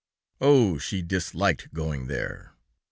Oh! she disliked going there!